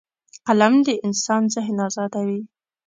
قلم د انسان ذهن ازادوي